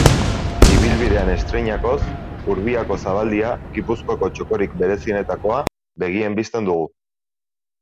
Ibilbidean estreinakoz, Urbiako zabaldia, Gipuzkoako txokorik berezienetakoa, begien bistan dugu.